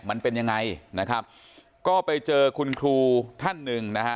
มันเป็นยังไงนะครับก็ไปเจอคุณครูท่านหนึ่งนะฮะ